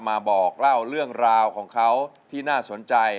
มาบอกเล่าเรื่องราวของเขาที่น่าสนใจ